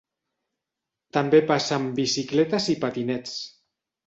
També passen bicicletes i patinets.